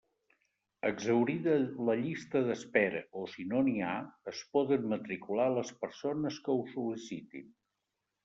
Exhaurida la llista d'espera o si no n'hi ha, es poden matricular les persones que ho sol·licitin.